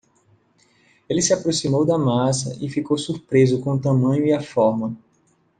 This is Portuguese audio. Ele se aproximou da massa e ficou surpreso com o tamanho e a forma.